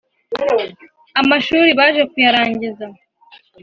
Amashuri baje kuyarangiza